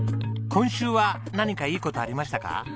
今週は何かいい事ありましたか？